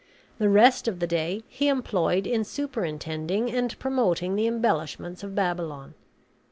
The rest of the day he employed in superintending and promoting the embellishments of Babylon.